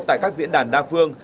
tại các diễn đàn đa phương